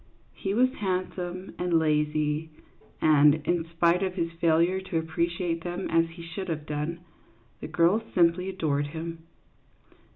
He was handsome and lazy, and, in spite of his failure to appreciate them as he should have done, the girls simply adored him.